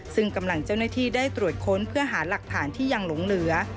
ซึ่งกำลังเจ้าหน้าที่ได้ตรวจค้นเพื่อหาหลักฐานที่ยังหลงเหลือ